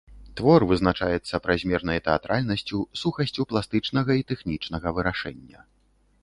Твор вызначаецца празмернай тэатральнасцю, сухасцю пластычнага і тэхнічнага вырашэння.